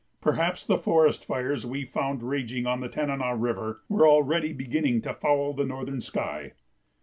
Perhaps the forest fires we found raging on the Tanana River were already beginning to foul the northern sky.